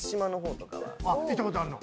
行ったことあんの？